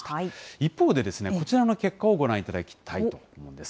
一方で、こちらの結果をご覧いただきたいと思うんです。